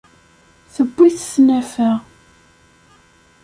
Tewwi-t tnafa.